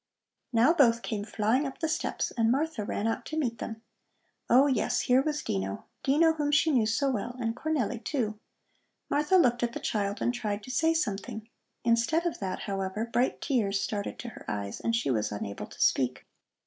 Now both came flying up the steps, and Martha ran out to meet them. Oh, yes, here was Dino, Dino whom she knew so well, and Cornelli, too Martha looked at the child and tried to say something. Instead of that, however, bright tears started to her eyes, and she was unable to speak.